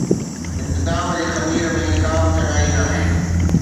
انتقام جي خمير ۾ ڪا به چڱائي ناهي.